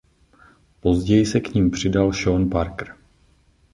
Později se k nim přidal Sean Parker.